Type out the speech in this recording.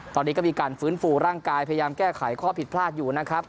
ตอนนี้ก็มีการฟื้นฟูร่างกายพยายามแก้ไขข้อผิดพลาดอยู่นะครับ